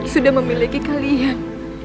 sudah memiliki kalian